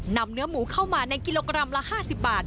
เนื้อหมูเข้ามาในกิโลกรัมละ๕๐บาท